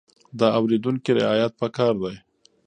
د اورېدونکي رعايت پکار دی.